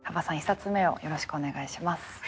１冊目をよろしくお願いします。